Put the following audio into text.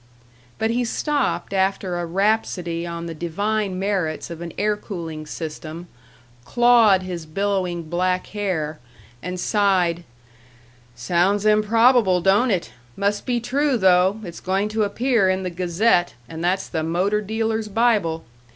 But he stopped after a rhapsody on the divine merits of an air cooling system, clawed his billowing black hair, and sighed, "Sounds improbable, don't it? Must be true, though; it's going to appear in the Gazette, and that's the motor dealer's bible.